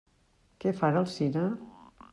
Què fan al cine?